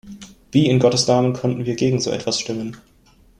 Wie in Gottes Namen konnten wir gegen so etwas stimmen?